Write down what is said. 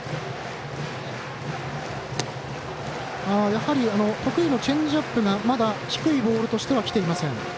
やはり、得意のチェンジアップが低いボールとしてはきていません。